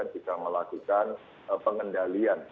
di perbatasan kita melakukan pengendalian